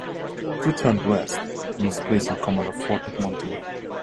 He returned west and was placed in command of Fort Edmonton.